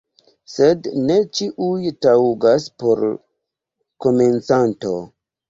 Sed ne ĉiuj taŭgas por komencanto.